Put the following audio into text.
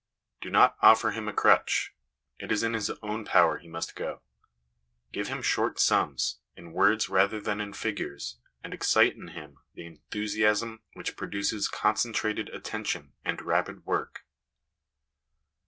Do not offer him a crutch : it is in his own power he must go. Give him short sums, in words rather than in figures, and excite in him the enthusiasm which produces concentrated attention and rapid work.